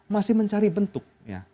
masih mencari bentuk